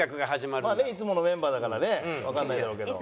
まあねいつものメンバーだからねわかんないだろうけど。